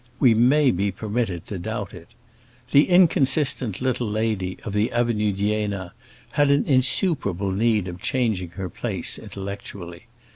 We may be permitted to doubt it. The inconsistent little lady of the Avenue d'Iéna had an insuperable need of changing her place, intellectually.